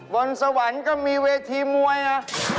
บนสวรรค์ก็มีเวทีมวยนะ